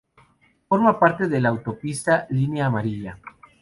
Forma parte de la autopista Línea Amarilla.